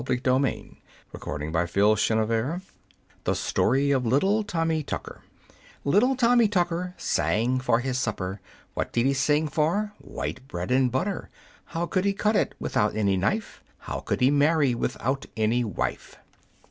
[Illustration: The Story of Tommy Tucker] The Story of Tommy Tucker Little Tommy Tucker sang for his supper. What did he sing for? white bread and butter. How could he cut it, without any knife? How could he marry, without any wife?